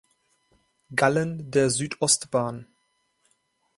Gallen der Südostbahn.